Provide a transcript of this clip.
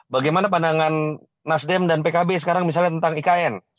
bagaimana pandangan nasdem dan pkb sekarang misalnya tentang ikn